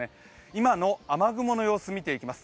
今の雨雲の様子、見ていきます。